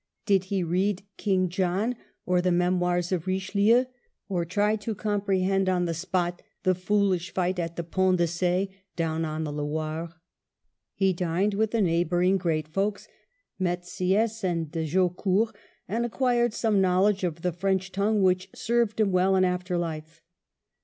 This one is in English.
Did he read King J6h% or the Memoirs of BichelieUy or try to comprehend on the spot the foolish fight at the Pont de C6, down on the Loire 1 He dined with the neighbouring great folks, met Si^y^s and de Jaucourt, and acquired some knowledge of the French tongue which served him well in after life.